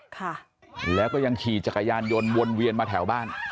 ค่ะแล้วก็ยังขี่จักรยานยนต์วนเวียนมาแถวบ้าน